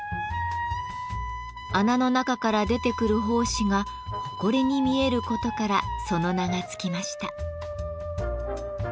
穴の中から出てくる胞子がホコリに見えることからその名が付きました。